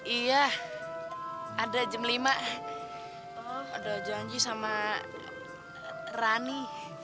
iya ada jam lima ada janji sama rani